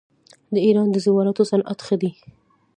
د ایران د زیوراتو صنعت ښه دی.